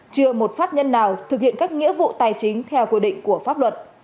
chưa một pháp nhân nào thực hiện các nghĩa vụ tài chính theo quy định của pháp luật